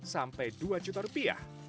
sampai dua juta rupiah